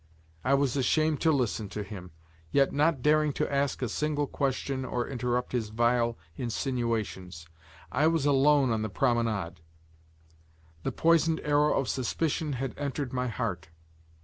I was ashamed to listen to him, yet dared not to ask a single question or interrupt his vile insinuations. I was alone on the promenade; the poisoned arrow of suspicion had entered my heart.